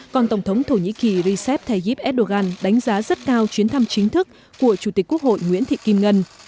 còn tổng thống thổ nhĩ kỳ recep tayyip erdogan đánh giá rất cao chuyến thăm chính thức của chủ tịch quốc hội nguyễn thị kim ngân